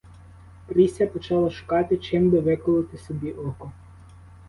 Пріся почала шукати чим би виколоти собі око.